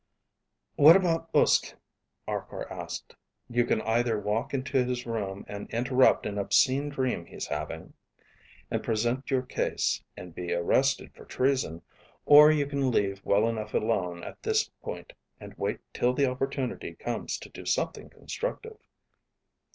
"What about Uske?" Arkor asked. "You can either walk into his room and interrupt an obscene dream he's having, and present your case and be arrested for treason, or you can leave well enough alone at this point and wait till the opportunity comes to do something constructive."